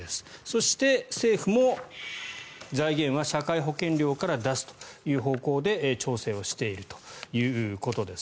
そして、政府も財源は社会保険料から出すという方向で調整をしているということです。